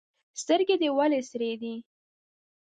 سترګي دي ولي سرې دي؟